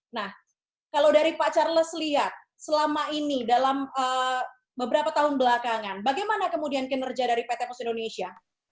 nah kalau dari pak charles lihat selama ini dalam beberapa tahun belakangan bagaimana kemudian kinerja dari pt pos indonesia